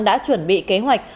đã chuẩn bị kế hoạch